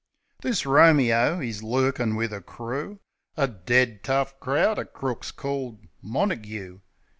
This Romeo 'e's lurkin' wiv a crew — A dead tough crowd o' crooks — called Montague.